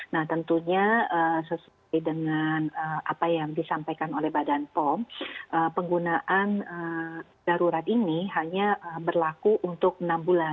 nah tentunya sesuai dengan apa yang disampaikan oleh badan pom penggunaan darurat ini hanya berlaku untuk enam bulan